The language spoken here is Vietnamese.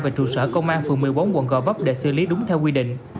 về trụ sở công an phường một mươi bốn quận gò vấp để xử lý đúng theo quy định